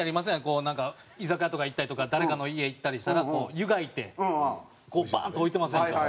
こう居酒屋とか行ったりとか誰かの家行ったりしたらこうゆがいてバーンと置いてますやんか。